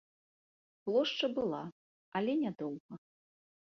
Плошча была, але нядоўга.